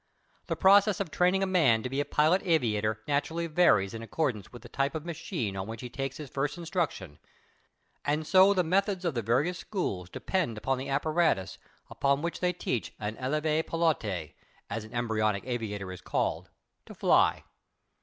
The process of training a man to be a pilot aviator naturally varies in accordance with the type of machine on which he takes his first instruction, and so the methods of the various schools depend on the apparatus upon which they teach an élève pilote as an embryonic aviator is called to fly.